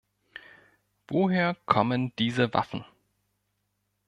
Woher kommen diese Waffen?